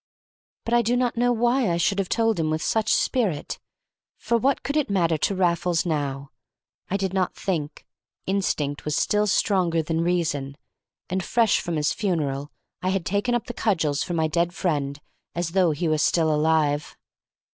But I do not know why I should have told him with such spirit, for what could it matter to Raffles now? I did not think; instinct was still stronger than reason, and, fresh from his funeral, I had taken up the cudgels for my dead friend as though he were still alive.